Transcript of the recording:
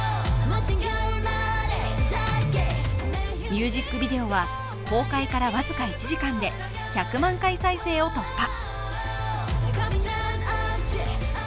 ミュージックビデオは公開から僅か１時間で１００万回再生を突破。